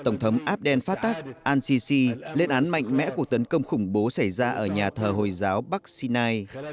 tổng thống abdel fattah al sisi lên án mạnh mẽ cuộc tấn công khủng bố xảy ra ở nhà thờ hồi giáo bắc sinai